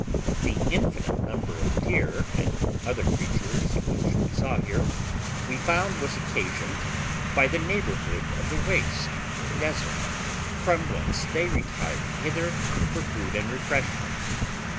The infinite number of deer and other creatures which we saw here, we found was occasioned by the neighbourhood of the waste or desert, from whence they retired hither for food and refreshment.